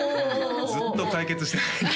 おおおずっと解決してないね